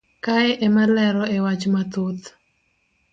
kae emalero e wach mathoth